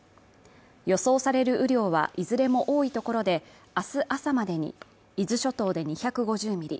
予想される雨量はいずれも多いところで明日朝までに伊豆諸島で２５０ミリ